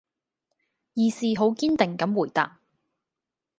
義士好堅定咁回答